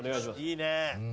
いいね。